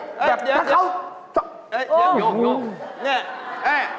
เดี๋ยวโย่งนี่อ่ะ